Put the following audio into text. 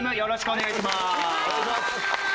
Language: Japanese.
お願いします。